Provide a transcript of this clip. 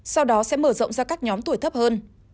sau đó sẽ mở rộng ra các nhóm tuổi thấp hơn